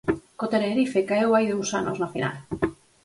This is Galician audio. Co Tenerife caeu hai dous anos na final.